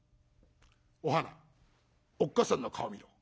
お花おっ母さんの顔見ろ。